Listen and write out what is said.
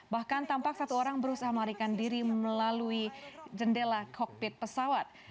bahkan tampak satu orang berusaha melarikan diri melalui jendela kokpit pesawat